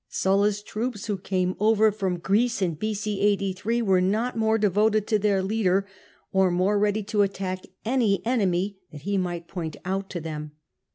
Sulla's troops, who came over from Greece in b.c. 83, were not more devoted to their leader or more ready to attack any enemy that he might point out to them.